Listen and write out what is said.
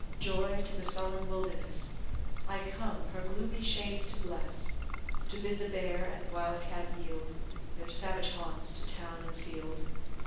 Joy, to the sullen wilderness, I come, her gloomy shades to bless, To bid the bear and wild cat yield Their savage haunts to town and field.